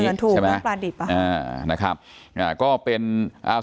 คำเตือนถูกแล้วปลาดิบอ่ะอ่านะครับอ่าก็เป็นอ่า